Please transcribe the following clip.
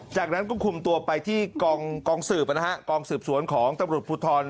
จากนั้นก็คุมตัวไปที่กองสืบนะฮะกองสืบสวนของตำรวจภูทร